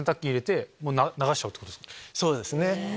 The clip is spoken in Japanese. そうですね。